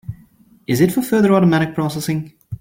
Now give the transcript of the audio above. Is it for further automatic processing?